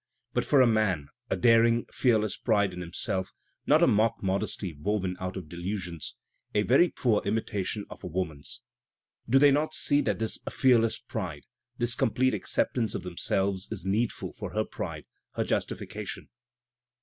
But, for a man, a daring, fearless pride in himself, not a mock modesty woven out of delusions — a very poor imita tion of a woman's. Do they not see that this fearless pride, this complete acceptance of themselves, is needful for her pride, her justification?